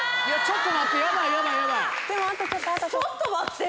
ちょっと待って。